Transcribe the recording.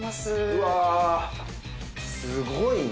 うわすごいね。